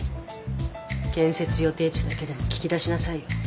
建設予定地だけでも聞きだしなさいよ。